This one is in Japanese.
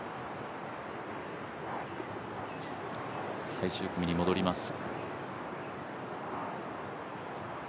最終組に戻ります。